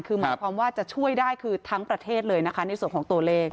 คือหมายความว่าจะช่วยได้คือทั้งประเทศเลยนะคะในส่วนของตัวเลข